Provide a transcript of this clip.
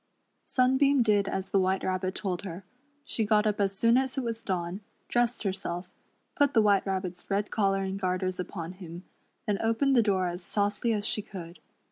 Sunbeam did as the White Rabbit told her. She got up as soon as it was dawn, dressed herself, put the White Rabbit's red collar and garters upon him, then opened the door as softly as she could.